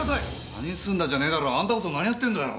「何するんだ」じゃねえだろ！あんたこそ何やってんだよ！？